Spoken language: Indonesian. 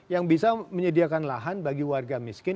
yang bisa menyediakan lahan bagi warga miskin